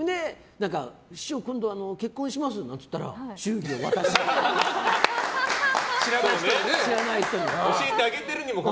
師匠、今度結婚しますって言ったら祝儀を渡して知らない人に。